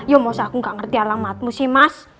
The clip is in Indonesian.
ya mosah aku gak ngerti alamatmu sih mas